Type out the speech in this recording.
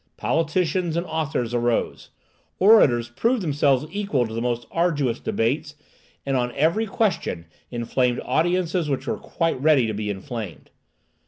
Politicians and authors arose. Orators proved themselves equal to the most arduous debates, and on every question inflamed audiences which were quite ready to be inflamed.